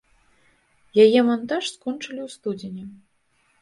Яе мантаж скончылі ў студзені.